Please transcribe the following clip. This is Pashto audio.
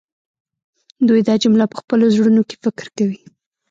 دوی دا جمله په خپلو زړونو کې فکر کوي